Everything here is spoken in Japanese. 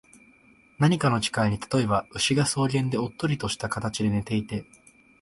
何かの機会に、例えば、牛が草原でおっとりした形で寝ていて、